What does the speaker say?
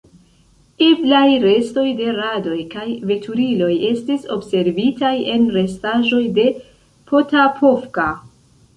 Eblaj restoj de radoj kaj veturiloj estis observitaj en restaĵoj de Potapovka.